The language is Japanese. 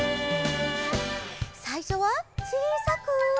さいしょはちいさく。